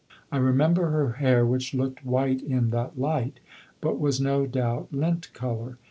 I remember her hair, which looked white in that light, but was no doubt lint colour.